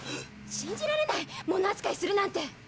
信じられない物あつかいするなんて。